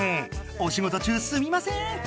おしごと中すみません！